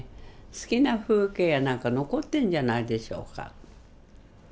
好きな風景や何か残ってんじゃないでしょうか。